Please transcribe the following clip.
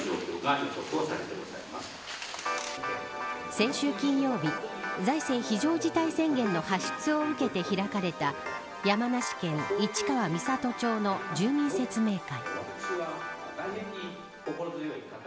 先週金曜日財政非常事態宣言の発出を受けて開かれた山梨県市川三郷町の住民説明会。